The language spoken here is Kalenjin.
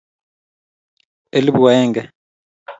elibu akenge